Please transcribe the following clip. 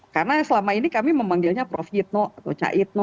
karena selama ini kami memanggilnya prof yitno atau ca yitno